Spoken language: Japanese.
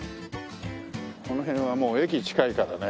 この辺はもう駅近いからね。